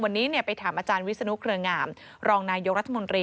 วันนี้ไปถามอาจารย์วิศนุเครืองามรองนายกรัฐมนตรี